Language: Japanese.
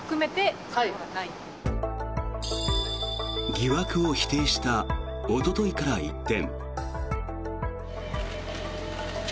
疑惑を否定したおとといから一転。